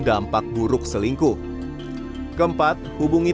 jangan heran aja jangan ke kayu yad